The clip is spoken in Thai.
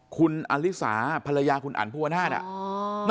คุณอลิสาภรรยาคุณอันภูมิวนาศน์อ่ะ